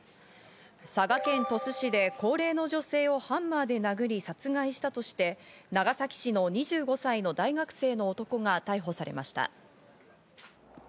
佐賀県鳥栖市で高齢の女性をハンマーで殴り殺害したとして、長崎市の２５歳の大学生の男が逮捕されました。